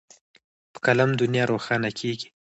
په قلم دنیا روښانه کېږي.